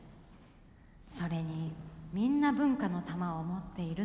それにみんな文化の玉を持っているのに。